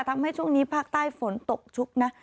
ทำให้ช่วงนี้ภาคใต้ฝนตกชุกนะ